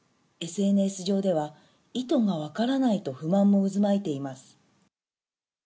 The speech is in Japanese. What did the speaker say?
ＳＮＳ上では意図がわからないと不満も渦巻いています。